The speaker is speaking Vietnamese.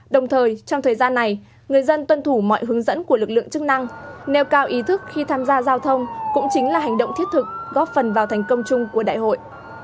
đồng thời trong thời gian này người dân tuân thủ mọi hướng dẫn của lực lượng chức năng nêu cao ý thức khi tham gia giao thông cũng chính là hành động thiết thực góp phần vào thành công chung của đại hội